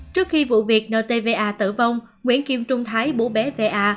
trước khi vụ việc ntva tử vong nguyễn kim trung thái bố bé va